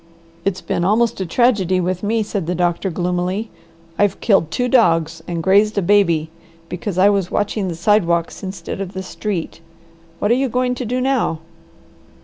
"It's been almost a tragedy with me," said the doctor gloomily. "I've killed two dogs and grazed a baby, because I was watching the sidewalks instead of the street. What are you going to do now?"